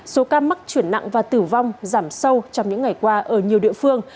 số ca mắc chuyển nặng và tử vong giảm sâu trong những ngày qua ở nhiều địa phương